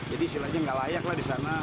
jadi silahnya gak layak lah di sana